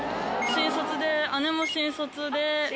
新卒で姉も新卒で。